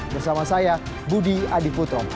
bersama saya budi adiputrom